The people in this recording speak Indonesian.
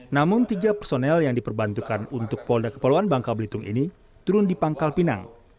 namun tiga personel yang diperbantukan untuk polda kepulauan bangka belitung ini turun di pangkal pinang